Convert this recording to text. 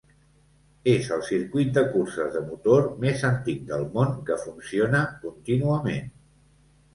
És el circuit de curses de motor més antic del món que funciona contínuament.